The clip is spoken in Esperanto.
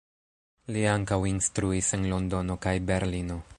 Li ankaŭ instruis en Londono kaj Berlino.